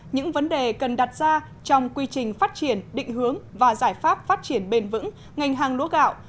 những vấn đề cần đặt ra trong quy trình phát triển định hướng và giải pháp phát triển bền vững ngành hàng lúa gạo